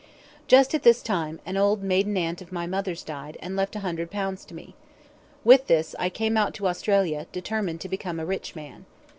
Just at this time, an old maiden aunt of my mother's died and left a few hundred pounds to me. With this, I came out to Australia, determined to become a rich man.